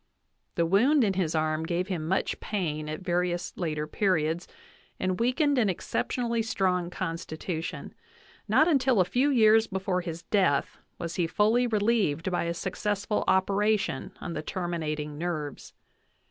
The wound in his arm gave him much pain at various later periods 'and weakened an exceptionally strong constitution ; not until a few years before his death was he fully relieved by a success ful operation on the terminating nerves.